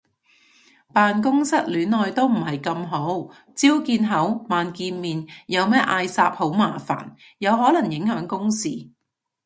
辦公室戀愛都唔係咁好，朝見口晚見面有咩嗌霎好麻煩，又可能影響公事